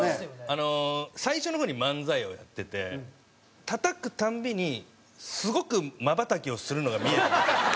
あの最初の方に漫才をやってて叩く度にすごくまばたきをするのが見える。